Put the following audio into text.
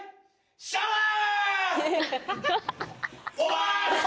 シャワー！